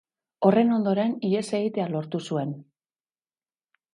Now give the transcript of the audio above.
Horren ondoren, ihes egitea lortu zuen.